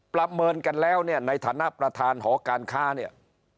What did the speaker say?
ประเมินกันแล้วเนี่ยในฐานะประธานหอการค้าเนี่ย